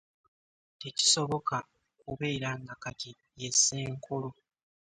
Tekisoboka kubeera nga kati ye Ssenkulu.